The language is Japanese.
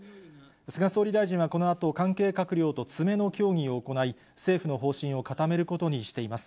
菅総理大臣はこのあと、関係閣僚と詰めの協議を行い、政府の方針を固めることにしています。